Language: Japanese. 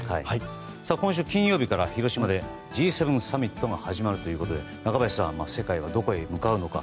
今週金曜日から広島でＧ７サミットが始まるということで中林さん世界はどこへ向かうのか。